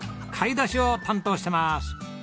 買い出しを担当してます。